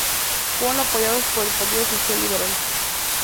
Fueron apoyados por el Partido Social Liberal.